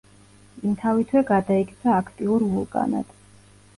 იმთავითვე გადაიქცა აქტიურ ვულკანად.